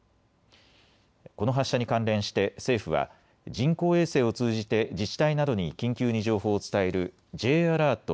この発射に関連して政府は、人工衛星を通じて自治体などに緊急に情報を伝えるＪアラート